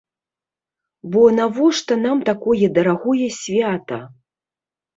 Бо навошта нам такое дарагое свята?